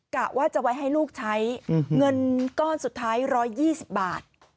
กะว่าจะไว้ให้ลูกใช้เงินก้อนสุดท้ายร้อยยี่สิบบาท